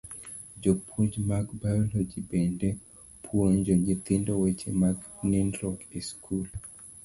Jopuonj mag biology bende puonjo nyithindo weche mag nindruok e skul.